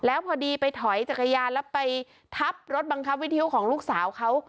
แล้วพอดีไปถอยจักรยานแล้วไปทับรถบังคับวิทยุของลูกสาวเขา